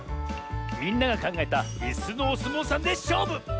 みんながかんがえたいすのおすもうさんでしょうぶ！